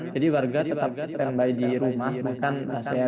jadi warga tetap standby di rumah bukan selalu